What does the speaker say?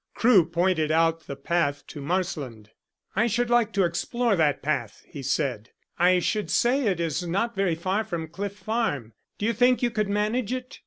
Crewe pointed out the path to Marsland. "I should like to explore that path," he said. "I should say it is not very far from Cliff Farm. Do you think you could manage it?"